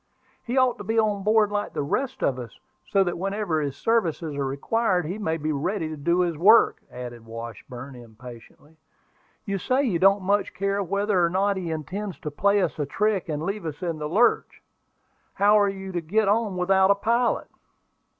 "He ought to be on board like the rest of us, so that whenever his services are required he may be ready to do his work," added Washburn, impatiently. "You say you don't much care whether or not he intends to play us a trick and leave us in the lurch. How are you to get on without a pilot?"